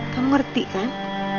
kamu ngerti kan